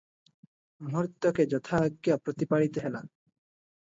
ମୁହୂର୍ତ୍ତକେ ଯଥା ଆଜ୍ଞା ପ୍ରତିପାଳିତ ହେଲା ।